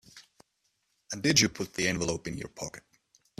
And did you put the envelope in your pocket?